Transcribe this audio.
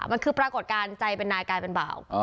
มันคือปรากฏการณ์ใจเป็นนายกลายเป็นบ่าว